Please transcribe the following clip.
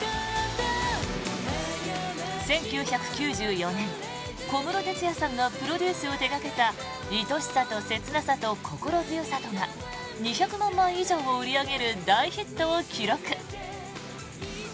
１９９４年、小室哲哉さんがプロデュースを手掛けた「恋しさとせつなさと心強さと」が２００万枚以上を売り上げる大ヒットを記録。